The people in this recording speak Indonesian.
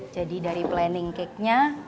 jadi dari planning cake nya